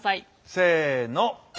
せの。